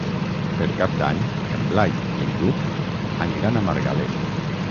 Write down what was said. Per Cap d'Any en Blai i en Lluc aniran a Margalef.